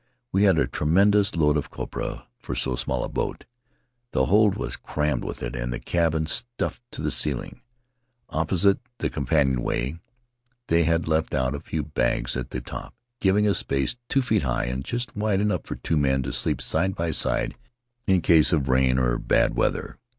We had a tremendous load of copra for so small a boat; the hold was crammed with it and the cabin stuffed to the ceiling. Opposite Aboard the Potii Ravarava the companion way they had left out a few bags at the top, giving a space two feet high and just wide enough for two men to sleep side by side in case of rain or bad weather.